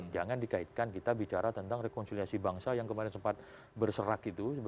jangan dikaitkan kita bicara tentang rekonsiliasi bangsa yang kemarin sempat berserak itu